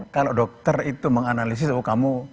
kalau dokter itu menganalisis oh kamu